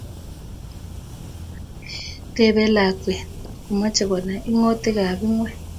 Tebei lakwet, komochei konai ungotikab ngwony